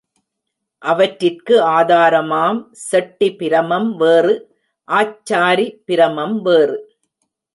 அவற்றிற்கு ஆதாரமாம் செட்டி பிரமம் வேறு, ஆச்சாரி பிரமம் வேறு.